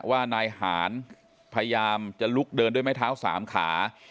ว่านายหารพยายามจะลุกเดินด้วยไม้เท้าสามขา